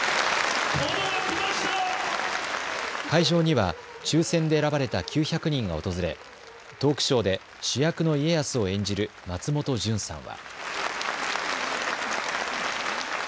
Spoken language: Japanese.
会場には抽せんで選ばれた９００人が訪れ、トークショーで主役の家康を演じる松本潤さんは。